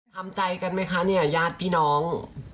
ทำใจกันไหมคะเนี่ยญาติพี่น้อง